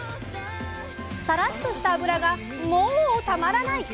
サラッとした脂がモウたまらない！